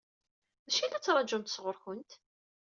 D acu i la ttṛaǧunt sɣur-kent?